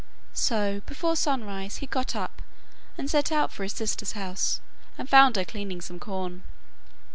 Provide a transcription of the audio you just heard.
So before sunrise he got up and set out for his sister's house, and found her cleaning some corn.